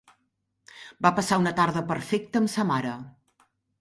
Va passar una tarda perfecta amb sa mare.